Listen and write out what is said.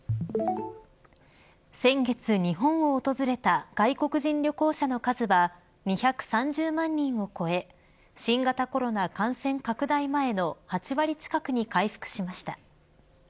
先月、日本を訪れた外国人旅行者の数は２３０万人を超え新型コロナ感染拡大前の８割近くに回復しました。